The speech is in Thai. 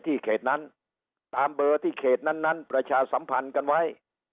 เขตนั้นตามเบอร์ที่เขตนั้นนั้นประชาสัมพันธ์กันไว้